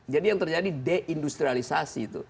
jadi yang terjadi deindustrialisasi itu